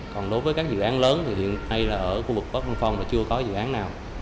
còn đối với các dự án lớn thì hiện nay là ở khu vực bắc văn phong là chưa có dự án nào